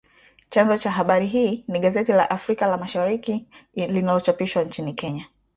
Chanzo cha habari hii ni gazeti la Africa la Mashariki linalochapishwa nchini Kenya